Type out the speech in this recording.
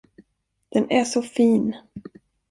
Den är så fin.